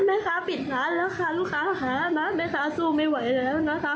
แม่ค้าปิดราคาลูกค้าค่ะนะแม่ค้าสู้ไม่ไหวแล้วนะคะ